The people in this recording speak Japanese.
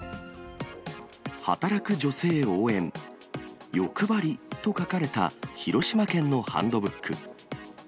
働く女性応援、よくばりと書かれた広島県のハンドブック。